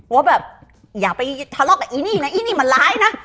ว่าแบบอย่าไปทะเลาะกับอีนี่นะอีนี่มันร้ายนะ